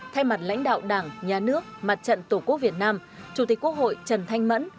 thay mặt lãnh đạo đảng nhà nước mặt trận tổ quốc việt nam chủ tịch quốc hội trần thanh mẫn